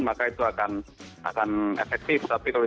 maka itu akan akan efektif tapi kalau